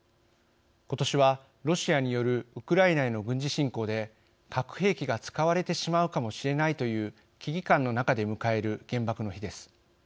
今年は、ロシアによるウクライナへの軍事侵攻で核兵器が使われてしまうかもしれないという危機感の中で迎える原爆の日です。